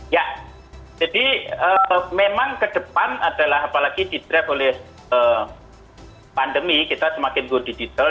ya jadi memang ke depan adalah apalagi ditreff oleh pandemi kita semakin good digital